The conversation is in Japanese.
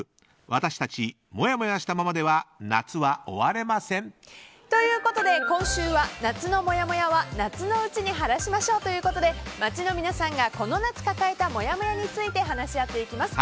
私たちもやもやしたままでは夏は終われません！ということで今週は夏のもやもやは夏のうちに晴らしましょうということで街の皆さんがこの夏抱えたもやもやについて話し合っていきます。